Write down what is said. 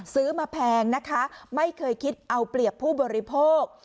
ซื้อมาแพงนะคะไม่เคยคิดเอาเปรียบผู้บริโภค